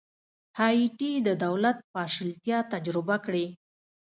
هایټي د دولت پاشلتیا تجربه کړې.